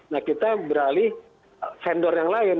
nah kita beralih vendor yang lain